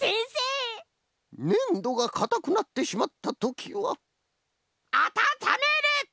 ねんどがかたくなってしまったときはあたためる！